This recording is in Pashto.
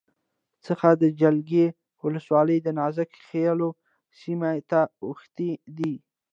څخه د جلگې ولسوالی دنازک خیلو سیمې ته اوښتې ده